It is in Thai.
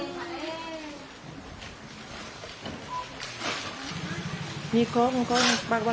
มันพิษหนึ่งกิโลครับ